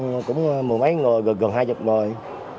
sợ sợ lắm ở dưới f cũng mùa mấy người gần hai mươi người